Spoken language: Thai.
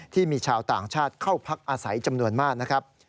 ที่มีชาวต่างชาติเข้าพักอาศัยจำนวนมากนะครับ